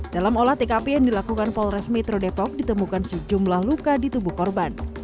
dalam olah tkp yang dilakukan polres metro depok ditemukan sejumlah luka di tubuh korban